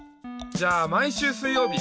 じゃあ毎週水曜日。